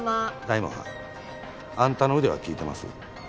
大門はんあんたの腕は聞いてます。